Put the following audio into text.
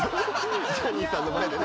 ジャニーさんの前でね。